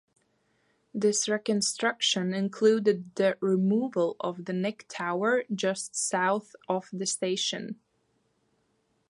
This reconstruction included the removal of the Nick Tower just south of the station.